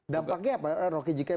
dampaknya apa rocky